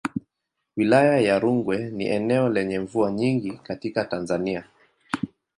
Wilaya ya Rungwe ni eneo lenye mvua nyingi katika Tanzania.